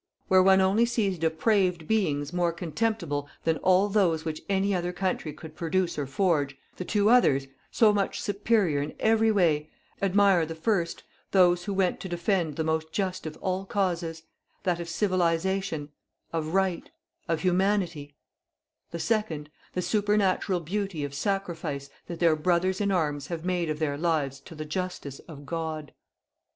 Where one only sees depraved beings more contemptible than all those which any other country could produce or forge, the two others, so much superior in every way, admire, the first, THOSE WHO WENT TO DEFEND THE MOST JUST OF ALL CAUSES, THAT OF CIVILIZATION, OF RIGHT, OF HUMANITY; the second, THE SUPERNATURAL BEAUTY OF SACRIFICE THAT THEIR BROTHERS IN ARMS HAVE MADE OF THEIR LIVES TO THE JUSTICE OF GOD.